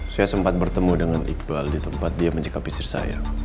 saya sempat bertemu dengan iqbal di tempat dia mencekapi sir saya